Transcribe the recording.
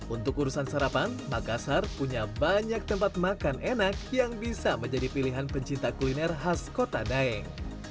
untuk urusan sarapan makassar punya banyak tempat makan enak yang bisa menjadi pilihan pencinta kuliner khas kota daeng